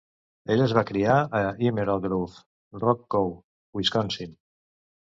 Ell es va criar a Emerald Grove, Rock Co, Winsconsin.